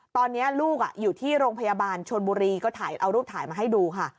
ตอนนี้ลูกอยู่ที่โรงพยาบาลชนบุรีก็ถ่ายเอารูปถ่ายมาให้ดูค่ะ